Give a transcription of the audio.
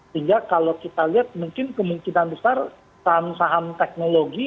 sehingga kalau kita lihat mungkin kemungkinan besar saham saham teknologi